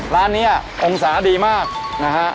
ร้านนี้องศาดีมากนะฮะ